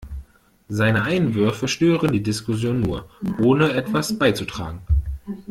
Seine Einwürfe stören die Diskussion nur, ohne etwas beizutragen.